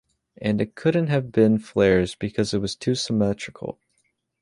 And it couldn't have been flares because it was too symmetrical.